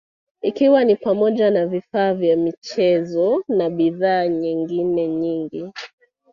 ikiwa ni pamoja na vifaa vya michezo na bidhaa nyengine nyingi